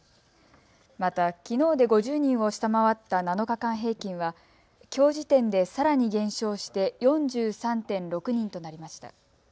また、きのうで５０人を下回った７日間平均はきょう時点でさらに減少して４３．６人となりました。